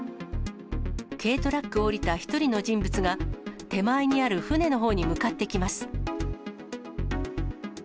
軽トラックを降りた１人の人物が、手前にある船のほうに向かってきます。